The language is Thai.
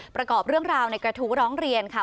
ประกอบเรื่องราวในกระทู้ร้องเรียนค่ะ